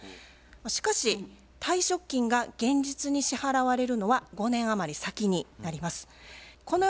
しかし退職金が現実に支払われるのは５年余り先になります。